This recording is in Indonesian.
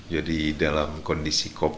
jadi dalam kondisi kompleks